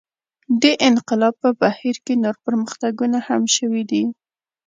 دې انقلاب په بهیر کې نور پرمختګونه هم شوي دي.